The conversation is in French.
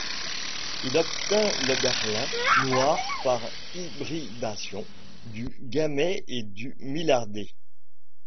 Il obtint l'oberlin noir par hybridation du gamay et du millardet.